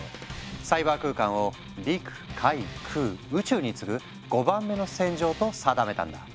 サイバー空間を陸海空宇宙に次ぐ５番目の戦場と定めたんだ。